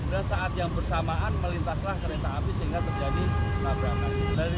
dan saat yang bersamaan melintaslah kereta api sehingga terjadi nabrakan